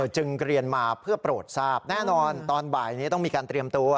จึงเรียนมาเพื่อโปรดทราบแน่นอนตอนบ่ายนี้ต้องมีการเตรียมตัว